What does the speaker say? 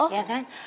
oh ya kan